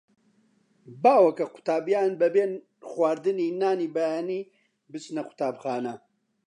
باوە کە کە قوتابییان بەبێ خواردنی نانی بەیانی بچنە قوتابخانە.